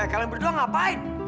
eh kalian berdua ngapain